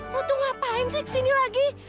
lo tuh ngapain sih kesini lagi